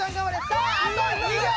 さああと２秒。